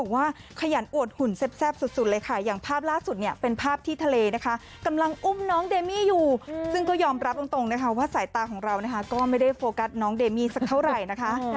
ว่าสายตาของเราก็ไม่ได้โฟกัสน้องเดมีสักเท่าไรนะคะ